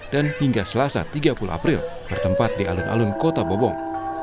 dan hingga selasa tiga puluh april bertempat di alun alun kota bobong